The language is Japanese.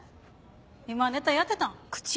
今ネタやってたん？